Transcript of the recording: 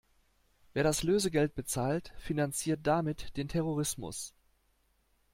Wer das Lösegeld bezahlt, finanziert damit den Terrorismus.